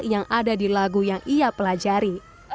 yang ada di lagu yang ia pelajari